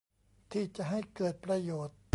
ที่จะให้เกิดประโยชน์